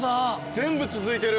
全部続いてる。